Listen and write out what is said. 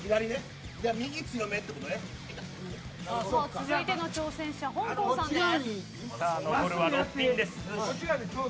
続いての挑戦者ほんこんさんです。